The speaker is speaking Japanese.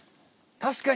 確かに。